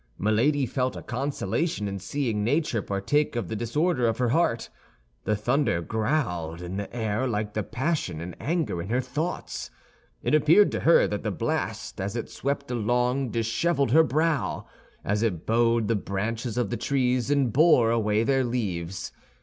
Milady felt a consolation in seeing nature partake of the disorder of her heart. The thunder growled in the air like the passion and anger in her thoughts. It appeared to her that the blast as it swept along disheveled her brow, as it bowed the branches of the trees and bore away their leaves.